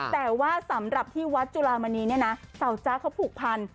แต่ว่าสำหรับที่วัดจุลามณีเนี่ยนะสาวจ๊ะเขาผูกพัน